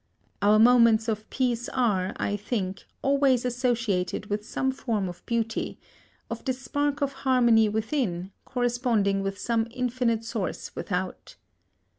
Our moments of peace are, I think, always associated with some form of beauty, of this spark of harmony within corresponding with some infinite source without.